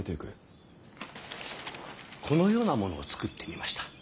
このようなものを作ってみました。